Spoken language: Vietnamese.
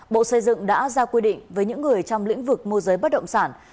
bộ xây dựng đã ra quy định với những người trong lĩnh vực môi giới bất động sản